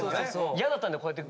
嫌だったんでこうやって。